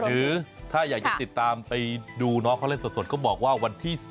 หรือถ้าอยากจะติดตามไปดูน้องเขาเล่นสดก็บอกว่าวันที่๑๐